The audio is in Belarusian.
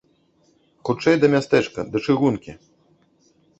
Хутчэй да мястэчка, да чыгункі!